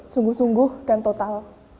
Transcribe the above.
sungguh sungguh dan total